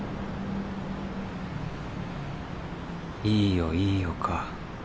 「いいよいいよ」か。